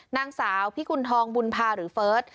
นางสาวพิกุณฑองบุญภาหรือเฟิร์ส